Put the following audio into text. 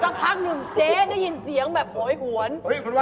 พักหนึ่งเจ๊ได้ยินเสียงแบบโหยหวน